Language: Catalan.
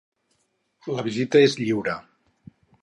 La visita és lliure.